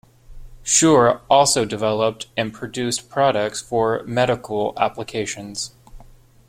Shure also developed and produced products for medical applications.